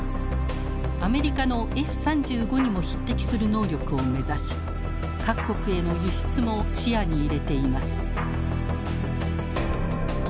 アメリカのＦ３５にも匹敵する能力を目指し各国への輸出も視野に入れています。